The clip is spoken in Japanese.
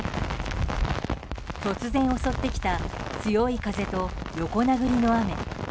突然襲ってきた強い風と横殴りの雨。